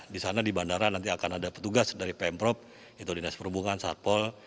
di sana di bandara nanti akan ada petugas dari pemprov itu dinas perhubungan satpol